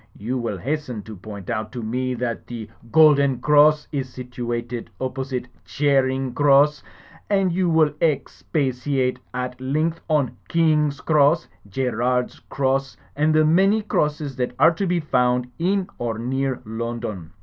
You will has* ten to point out to me that the Golden Cross is situated opposite Charing Cross, and you will expatiate at length on King's Cross, Gerrard's Cross and the many crosses that are to be f otmd in or near London.